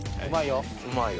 うまいよ。